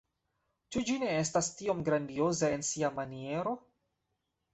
Ĉu ĝi ne estas tiom grandioza en sia maniero?